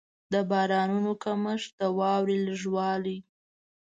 د بارانونو کمښت، د واورې لږ والی.